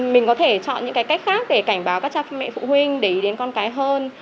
mình có thể chọn những cái cách khác để cảnh báo các cha mẹ phụ huynh để ý đến con cái hơn